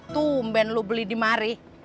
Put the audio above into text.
tumben lo beli di mari